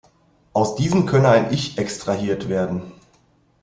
Aus diesen könne ein Ich „extrahiert“ werden.